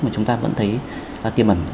mà chúng ta vẫn thấy tiềm ẩn